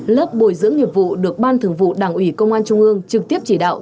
lớp bồi dưỡng nghiệp vụ được ban thường vụ đảng ủy công an trung ương trực tiếp chỉ đạo